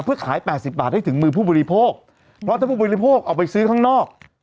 เพื่อขาย๘๐บาทให้ถึงมือผู้บริโภคเพราะถ้าผู้บริโภคเอาไปซื้อข้างนอก